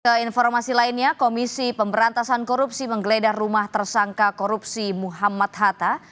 keinformasi lainnya komisi pemberantasan korupsi menggeledah rumah tersangka korupsi muhammad hatta